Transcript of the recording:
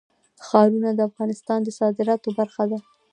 ښارونه د افغانستان د صادراتو برخه ده.